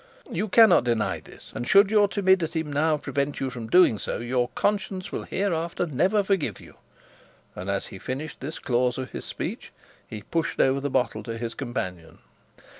You cannot deny this; and should your timidity now prevent you from doing so, your conscience will hereafter never forgive you;' and as he finished this clause of his speech, he pushed over the bottle to his companion.